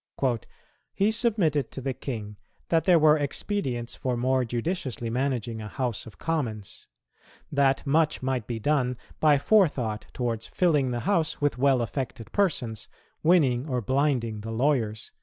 "He submitted to the King that there were expedients for more judiciously managing a House of Commons; .. that much might be done by forethought towards filling the House with well affected persons, winning or blinding the lawyers